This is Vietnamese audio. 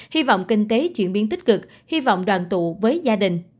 hy vọng kinh tế chuyển biến tích cực hy vọng đoàn tụ với gia đình